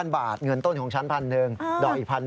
๒๐๐๐บาทเงินต้นของฉัน๑๐๐๐บาทดอกอีก๑๐๐๐บาท